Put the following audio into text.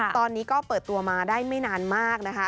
ตอนนี้ก็เปิดตัวมาได้ไม่นานมากนะคะ